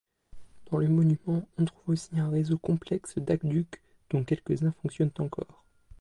Dans le monument on trouve aussi un réseau complexe d'aqueducs dont quelques-uns fonctionnent encore.